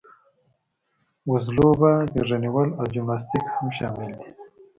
وزلوبه، غېږه نیول او جمناسټیک هم شامل دي.